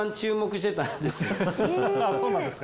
そうなんですか。